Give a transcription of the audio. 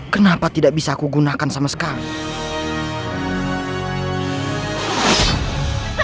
kenapa tidak bisa aku gunakan sama sekali